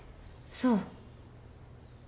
そう。